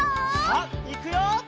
さあいくよ！